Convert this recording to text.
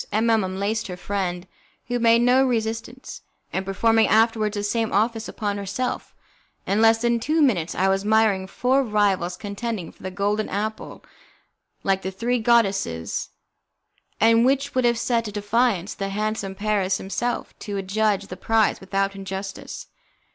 M M unlaced her friend, who made no resistance, and performing afterwards the same office upon herself, in less than two minutes I was admiring four rivals contending for the golden apple like the three goddesses, and which would have set at defiance the handsome Paris himself to adjudge the prize without injustice.